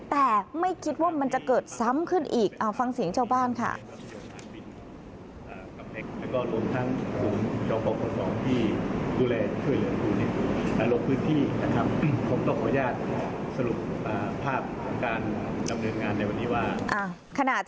แต่ไม่คิดว่ามันจะเกิดซ้ำขึ้นอีกฟังเสียงชาวบ้านค่ะ